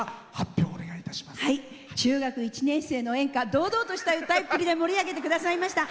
中学１年生の演歌堂々とした歌いっぷりで盛り上げてくださいました。